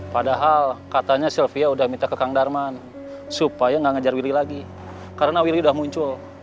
padahal katanya sylvia udah minta ke kang darman supaya enggak lagi karena udah muncul